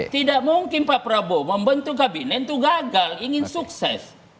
tidak mungkin pak prabowo membentuk kabinet itu gagal ingin sukses